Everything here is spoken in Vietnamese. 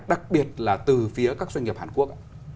đặc biệt là từ phía các doanh nghiệp hàn quốc ạ